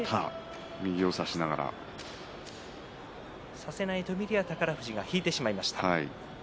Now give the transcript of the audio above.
差せないとみるや宝富士が引いてしまいました。